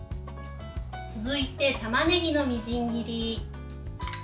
続いて、たまねぎのみじん切り。